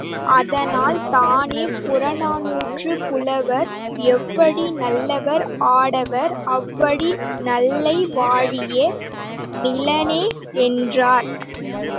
அதனால் தானே புறநானூற்றுப் புலவர் எவ்வழி நல்லவர் ஆடவர், அவ்வழி நல்லை வாழிய நிலனே என்றார்.